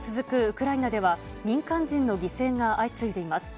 ウクライナでは、民間人の犠牲が相次いでいます。